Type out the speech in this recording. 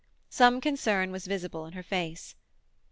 Some concern was visible in her face.